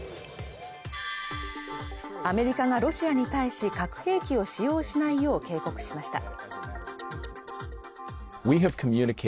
アメリカがロシアに対し核兵器を使用しないよう警告しました